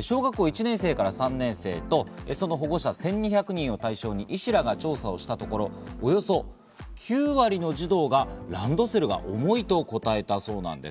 小学校１年生から３年生とその保護者１２００人を対象に、医師らが調査をしたところ、およそ９割の児童がランドセルが重いと答えたそうなんです。